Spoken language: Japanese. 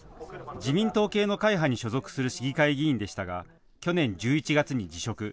自民党系の会派に所属する市議会議員でしたが去年１１月に辞職。